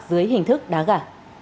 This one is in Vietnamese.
dưới hình thức đá gà